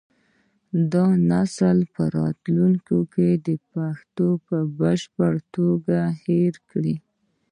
دا نسل به راتلونکي کې پښتو په بشپړه توګه هېره کړي.